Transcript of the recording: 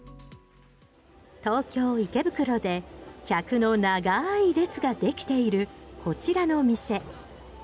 東京・池袋で客の長い列ができているこちらの店。